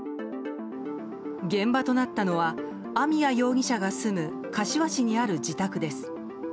現場となったのは網谷容疑者が住む柏市にある自宅です。